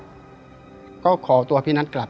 ช่วยอยู่กับเพื่อนมันหน่อยแป๊บนึงเดี๋ยวดึกค่อยกลับ